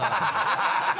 ハハハ